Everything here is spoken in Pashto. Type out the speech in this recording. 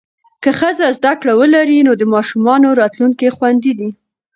که ښځه زده کړه ولري، نو د ماشومانو راتلونکی خوندي دی.